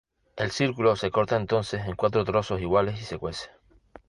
El círculo se corta entonces en cuatro trozos iguales y se cuece.